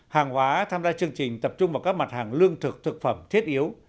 hàng hóa tham gia chương trình tập trung vào các mặt hàng lương thực thực phẩm thiết yếu